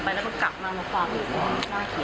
ปากคอเสร็จแล้วมันก็หอดไปหลวบหนี